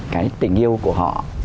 cái tình yêu của họ